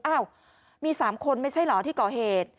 อ้าวมี๓คนไม่ใช่เหรอที่ก่อเหตุ